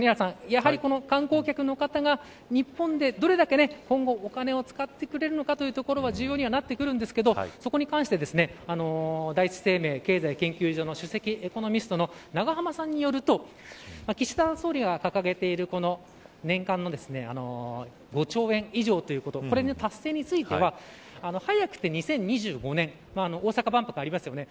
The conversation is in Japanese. やはり、観光客の方が日本で、どれだけ今後お金を使ってくれるのかというところは重要にはなってくるんですけどそこに関して第一生命経済研究所の首席エコノミストの永濱さんによると岸田総理が掲げている年間の５兆円以上ということこれの達成については早くて２０２５年大阪万博がありますよね。